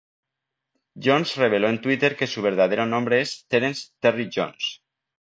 Jones reveló en Twitter que su verdadero nombre es Terence "Terry" Jones.